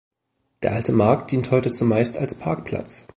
Der Alte Markt dient heute zumeist als Parkplatz.